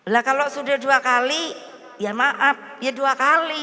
lah kalau sudah dua kali ya maaf ya dua kali